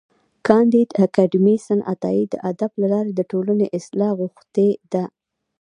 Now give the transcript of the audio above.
کانديد اکاډميسن عطایي د ادب له لارې د ټولني اصلاح غوښتې ده.